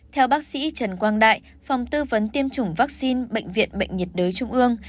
theo bác sĩ trần quang đại phòng tư vấn tiêm chủng vaccine bệnh viện bệnh nhiệt đới trung ương